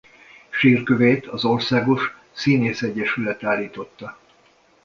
Sírkövét az Országos Színészegyesület állította.